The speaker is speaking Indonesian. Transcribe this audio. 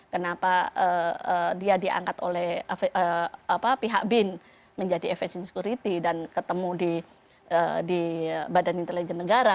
kenapa dia diangkat oleh pihak bin menjadi effesing security dan ketemu di badan intelijen negara